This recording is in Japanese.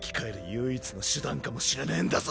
唯一の手段かもしれねぇんだぞ。